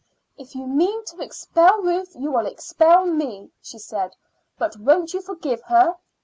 "If you mean to expel Ruth you will expel me," she said. "But won't you forgive her?